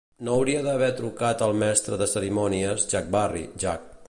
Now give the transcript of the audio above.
No hauria d'haver trucat el Mestre de Cerimònies, Jack Barry, Jack.